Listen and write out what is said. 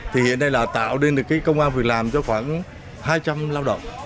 thì hiện nay là tạo nên được cái công an việc làm cho khoảng hai trăm linh lao động